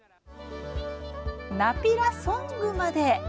ナピラソングまで。